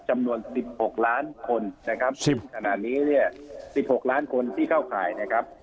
จำนวน๑๖ล้านคนนะครับซึ่งขณะนี้เนี่ย๑๖ล้านคนที่เข้าข่ายนะครับ